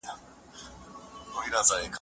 په مخ یې یوڅاڅکی د اوښکې را روان و که نه؟